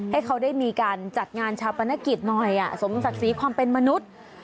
ให้เขาได้มีการจัดงานชาปนกิจหน่อยสมศักดิ์ศรีความเป็นมนุษย์